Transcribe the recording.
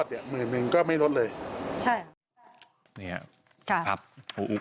ใช่เพราะในนั้นก็จะให้เงินสดเค้าอีกตั้งหาก